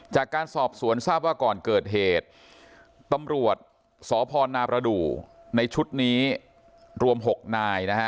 จากการสอบสวนทราบว่าก่อนเกิดเหตุตำรวจสพนประดูกในชุดนี้รวม๖นายนะฮะ